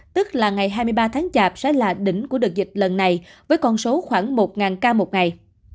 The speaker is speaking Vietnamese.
tức là ngày hai mươi ba tháng chạp sẽ là đỉnh của đợt dịch lần này với con số khoảng một ca một ngày